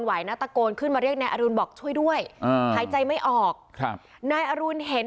นะตะโกนขึ้นมาเรียกนายอรุณบอกช่วยด้วยอ่าหายใจไม่ออกครับนายอรุณเห็น